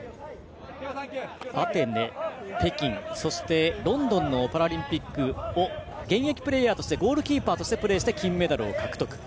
アテネ、北京、そしてロンドンのパラリンピックもゴールキーパーとしてプレーして金メダルを獲得。